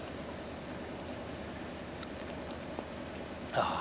ああ。